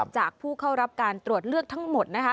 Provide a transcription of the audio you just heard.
ผู้เข้ารับการตรวจเลือกทั้งหมดนะคะ